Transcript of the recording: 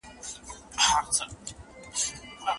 انا خپل لاسونه د ماشوم په سر په ډېرې عاطفې کېښودل.